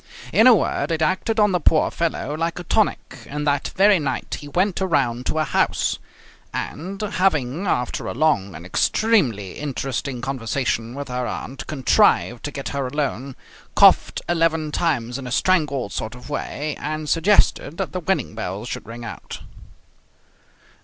In a word, it acted on the poor fellow like a tonic, and that very night he went around to her house, and having, after a long and extremely interesting conversation with her aunt, contrived to get her alone, coughed eleven times in a strangled sort of way, and suggested that the wedding bells should ring out.